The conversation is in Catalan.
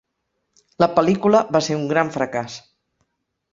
La pel·lícula va ser un gran fracàs.